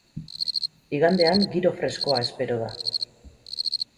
Igandean giro freskoa espero da.